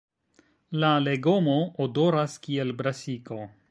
La legomo odoras kiel brasiko.